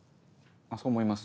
そう思います？